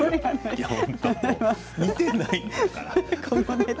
似てないんだから。